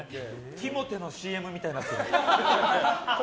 ティモテのＣＭみたいになってる。